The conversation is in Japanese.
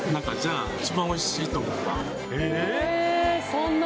そんな？